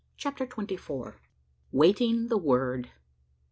CHAPTER TWENTY FOUR. WAITING THE WORD.